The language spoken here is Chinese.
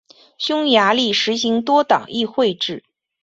匈牙利实行多党议会制。